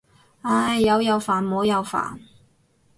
唉，有又煩冇又煩。